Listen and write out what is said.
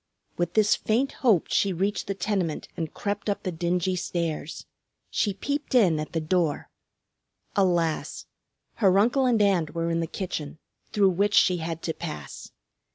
With this faint hope she reached the tenement and crept up the dingy stairs. She peeped in at the door. Alas! Her uncle and aunt were in the kitchen, through which she had to pass.